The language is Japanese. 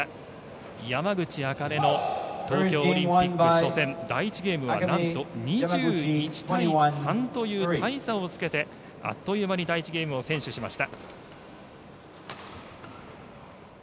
山口茜の東京オリンピック初戦第１ゲームはなんと２１対３という大差をつけてあっという間に第１ゲームを先取しました。